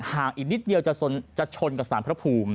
อีกนิดเดียวจะชนกับสารพระภูมิ